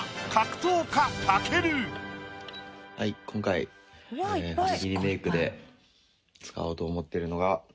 はい今回古着リメイクで使おうと思ってるのが。